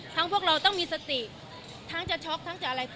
พวกเราต้องมีสติทั้งจะช็อกทั้งจะอะไร